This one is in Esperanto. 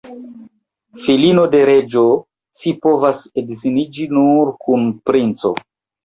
Filino de reĝo, ci povas edziniĝi nur kun princo.